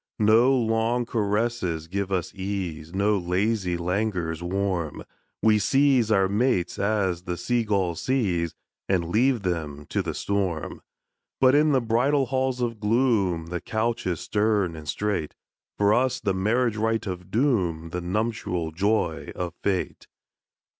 No long caresses give us ease, No lazy languors warm, We seize our mates as the sea gulls seize, And leave them to the storm. But in the bridal halls of gloom The couch is stern and strait; For us the marriage rite of Doom, The nuptial joy of Fate.